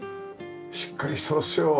しっかりしてますよ。